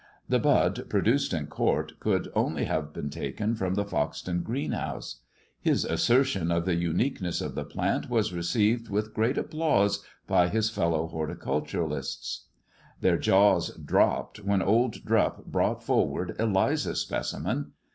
The bud produced in court could only have been taken from the Foxton greenhouse. His assertion of the unique ness of the plant was received with great applause by his fellow horticulturists. 324 THE RAINBOW CAMELLIA Their jaws dropped when old Drupp brooght |o Eliza's specimen.